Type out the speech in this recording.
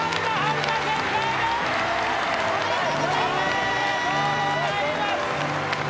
おめでとうございます。